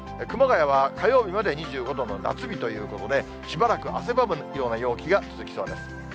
熊谷は火曜日まで２５度の夏日ということで、しばらく汗ばむような陽気が続きそうです。